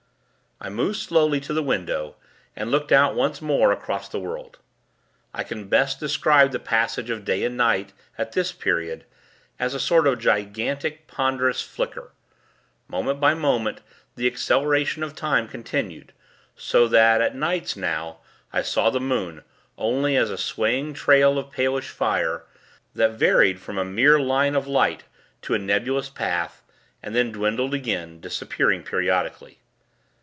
I moved slowly to the window, and looked out once more across the world. I can best describe the passage of day and night, at this period, as a sort of gigantic, ponderous flicker. Moment by moment, the acceleration of time continued; so that, at nights now, I saw the moon, only as a swaying trail of palish fire, that varied from a mere line of light to a nebulous path, and then dwindled again, disappearing periodically.